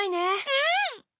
うん！